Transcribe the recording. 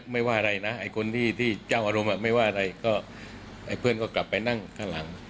ไม่ว่าอะไรนะไอ้คนที่เจ้าอารมณ์ไม่ว่าอะไรก็ไอ้เพื่อนก็กลับไปนั่งข้างหลัง